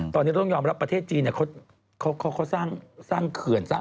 ตอนนี้ต้องยอมรับประเทศจีนสร้างเขื่อนมั้ยครับ